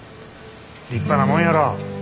立派なもんやろ？